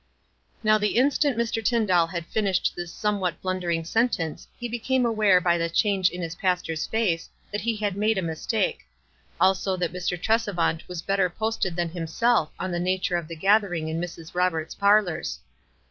Now the instant Mr. Tyndall had finished this somewhat blundering sentence he became aware by the change in his pastors face that he had made a mistake ; also that Mr. Tresevant was betler posted than himself on the nature of the gathering in Mrs. Roberts' parlors.